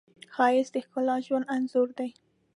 ښایست د ښکلي ژوند انځور دی